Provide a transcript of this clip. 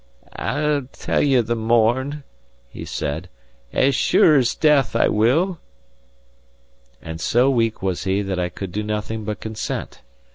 "I'll tell ye the morn," he said; "as sure as death I will." And so weak was he that I could do nothing but consent.